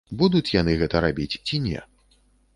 Будуць яны гэта рабіць, ці не?